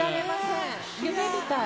夢みたい。